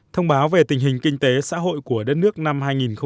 thông báo về tình hình kinh tế xã hội của đất nước năm hai nghìn một mươi chín